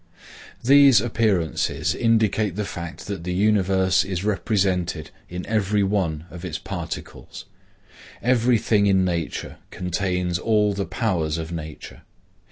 These appearances indicate the fact that the universe is represented in every one of its particles. Every thing in nature contains all the powers of nature.